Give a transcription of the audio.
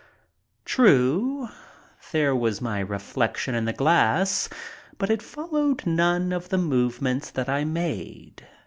True, there was my reflection in the glass, but it followed none of the movements that I made.